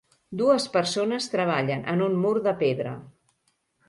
Dues persones treballen en un mur de pedra.